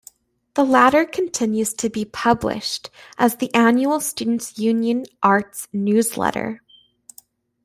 The latter continues to be published as the annual Students' Union arts newsletter.